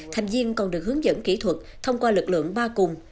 thành viên còn được hướng dẫn kỹ thuật thông qua lực lượng ba cùng